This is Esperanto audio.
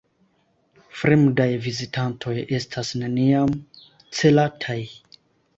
Fremdaj vizitantoj estas neniam celataj.